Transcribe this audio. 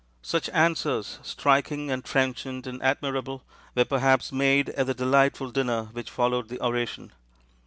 Such answers, striking and trenchant and admirable, were perhaps made at the delightful dinner which followed the oration.